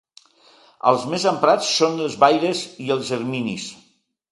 Els més emprats són els vaires i els erminis.